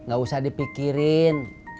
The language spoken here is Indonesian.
gak usah dipikirin